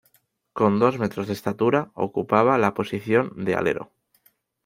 Con dos metros de estatura, ocupaba la posición de alero.